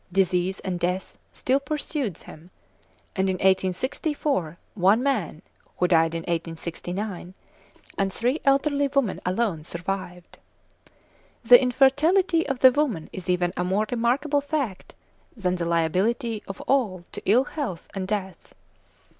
Disease and death still pursued them, and in 1864 one man (who died in 1869), and three elderly women alone survived. The infertility of the women is even a more remarkable fact than the liability of all to ill health and death.